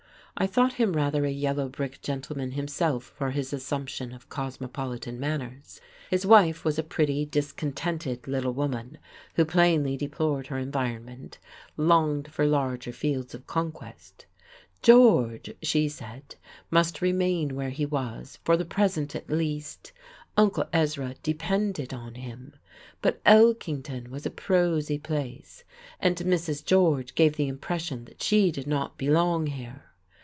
I thought him rather a yellow brick gentleman himself for his assumption of cosmopolitan manners. His wife was a pretty, discontented little woman who plainly deplored her environment, longed for larger fields of conquest: George, she said, must remain where he was, for the present at least, Uncle Ezra depended on him; but Elkington was a prosy place, and Mrs. George gave the impression that she did not belong here.